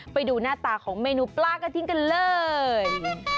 ไปดูหน้าตาของเมนูปลากระทิงกันเลย